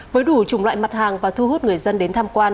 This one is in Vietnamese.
với đủ chủng loại mặt hàng và thu hút người dân đến tham quan